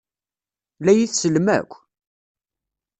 La iyi-tsellem akk?